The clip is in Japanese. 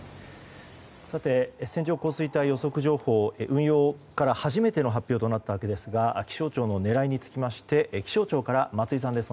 線状降水帯予測情報運用から初めての発表となったわけですが気象庁の狙いについて気象庁から松井さんです。